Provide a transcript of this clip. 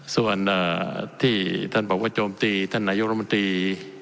ส่วนที่ท่านบอกว่าโจมตีท่านนายกรมนตรี